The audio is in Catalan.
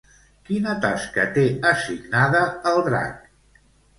Quina tasca té assignada, el drac?